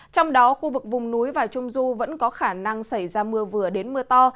trong đó khu vực vùng núi và trung du vẫn có khả năng xảy ra mưa vừa đến mưa to